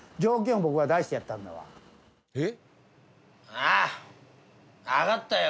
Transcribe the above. ああわかったよ！